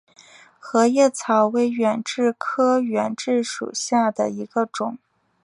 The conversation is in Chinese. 合叶草为远志科远志属下的一个种。